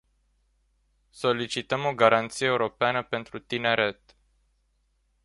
Solicităm o "Garanție europeană pentru tineret”.